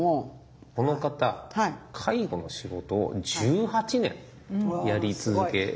この方介護の仕事を１８年やり続けられてて。